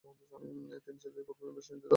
তিনি ছেলেটির গল্প নিয়েও বেশ চিন্তা-ভাবনা করেছেন।